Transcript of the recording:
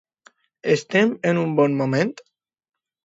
Estem en un bon moment?